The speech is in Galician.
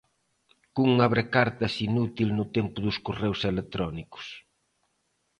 Cun abrecartas inútil no tempo dos correos electrónicos.